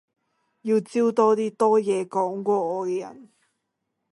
要招多啲多嘢講過我嘅人